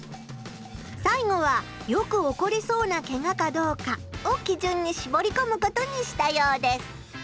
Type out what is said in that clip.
さいごはよく起こりそうなケガかどうかをきじゅんにしぼりこむことにしたようです。